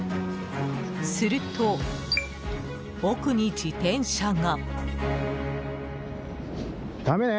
すると、奥に自転車が。